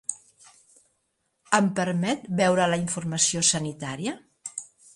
Em permet veure la informació sanitària?